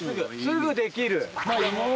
すぐできる。